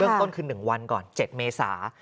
ต้นคือ๑วันก่อน๗เมษา